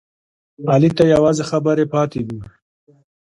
علي ته یوازې خبرې پاتې دي.